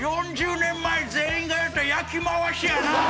４０年前全員がやった焼き回しやな。